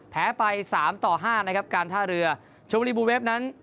ไปสามต่อห้านะครับการท่าเรือชมบุรีบูเวฟนั้น